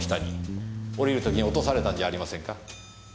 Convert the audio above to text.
降りる時に落とされたんじゃありませんか？